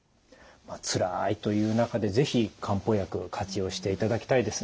つらいという中で是非漢方薬活用していただきたいですね。